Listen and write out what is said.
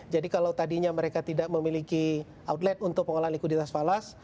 jadi kalau tadinya mereka tidak memiliki outlet untuk mengelola likuditas falas